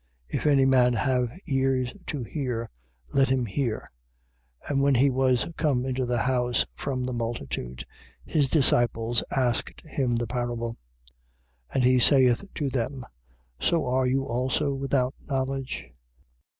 7:16. If any man have ears to hear, let him hear. 7:17. And when he was come into the house from the multitude, his disciples asked him the parable. 7:18. And he saith to them: So are you also without knowledge?